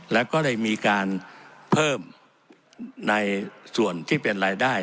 แล้วก็ได้มีการเพิ่มในส่วนที่เป็นรายได้